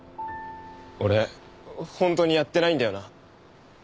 俺本当にやってないんだよな？